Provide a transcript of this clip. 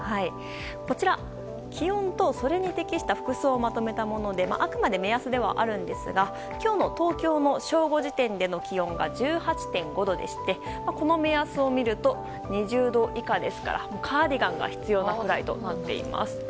こちら、気温とそれに適した服装をまとめたものであくまで目安ではありますが今日の東京の正午時点での気温が１８．５度でしてこの目安を見ると２０度以下ですからカーディガンが必要なくらいとなっています。